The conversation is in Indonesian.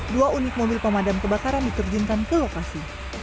dua unit mobil pemadam kebakaran diterjunkan ke lokasi